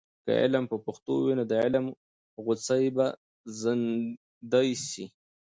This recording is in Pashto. که علم په پښتو وي، نو د علم غوڅۍ به زندې سي.